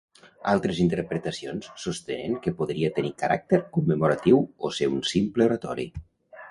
Altres interpretacions sostenen que podria tenir caràcter commemoratiu o ser un simple oratori.